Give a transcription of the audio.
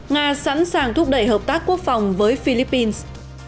nga sẵn sàng thúc đẩy hợp tác quốc phòng với philippines